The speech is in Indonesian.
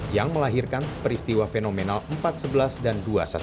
yang melahirkan peristiwa fenomenal empat sebelas dan dua ratus dua belas